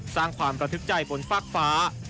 สร้างความระทึกใจบนฟากฟ้า